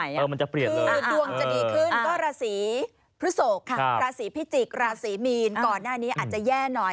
คือดวงจะดีขึ้นก็ราศีพฤศกษ์ราศีพิจิกษ์ราศีมีนก่อนหน้านี้อาจจะแย่หน่อย